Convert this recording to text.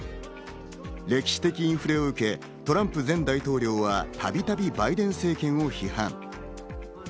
歴史的インフレを受け、トランプ前大統領はたびたびバイデン政権を批判。